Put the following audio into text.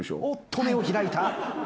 おっと目を開いた。